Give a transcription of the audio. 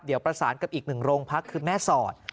เดี๋ยวประสานกับอีกหนึ่งโรงพักคือแม่สอด